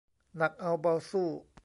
หนักเอาเบาสู้